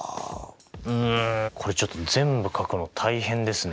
うんこれちょっと全部書くの大変ですね。